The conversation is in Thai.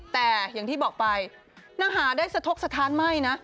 แต่อย่างที่บอกไปนางหาได้สะทกสถานไหม้นะ